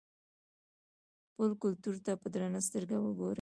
خپل کلتور ته په درنه سترګه وګورئ.